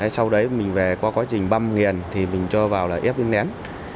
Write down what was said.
sau đấy mình về qua quá trình băm nghiền thì mình cho vào là ép nén